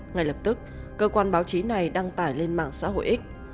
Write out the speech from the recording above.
ngay lập tức cơ quan báo chí này đăng tải lên mạng xã hội x